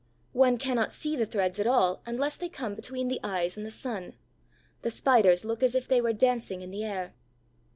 One cannot see the threads at all unless they come between the eyes and the sun; the Spiders look as if they were dancing in the air.